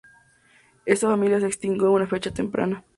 Esta familia se extinguió en una fecha temprana.